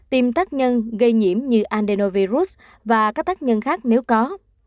tìm tác nhân gây nhiễm như andenovirus và các tác nhân khác nếu có